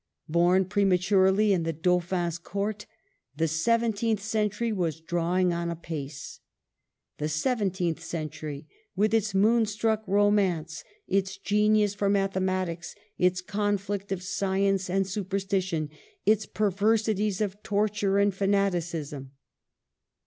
Born prematurely in the Dau phin's Court, the seventeenth century was draw ing on apace, r the seventeenth century, with its moonstruck romance, its genius for mathematics, its conflict of science and superstition, its perver sities of torture and fanaticism.